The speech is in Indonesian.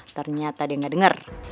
ternyata dia gak denger